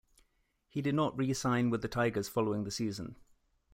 He did not re-sign with the Tigers following the season.